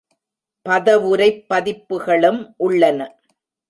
பதவுரைப் பதிப்புகளும் உள்ளன.